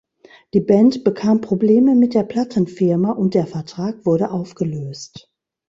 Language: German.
Die Band bekam Probleme mit der Plattenfirma und der Vertrag wurde aufgelöst.